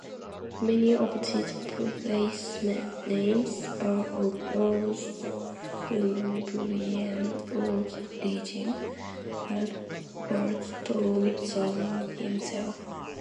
Many of these placenames are of Northumbrian origin, as was Thomson himself.